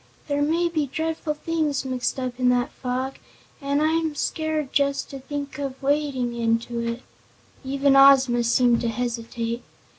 "There may be dreadful things mixed up in that fog, an' I'm scared just to think of wading into it." Even Ozma seemed to hesitate.